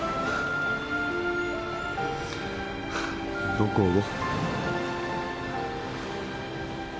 どこを？